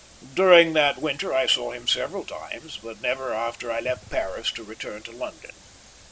During that winter I saw him several times, but never after I left Paris to return to London.